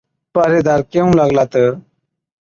پهريدار ڪيهُون لاگلا تہ،